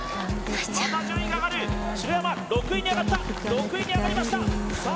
大ちゃんまた順位が上がる白山６位に上がった６位に上がりましたさあ